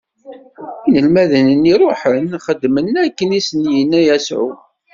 Inelmaden-nni ṛuḥen, xedmen akken i sen-inna Yasuɛ.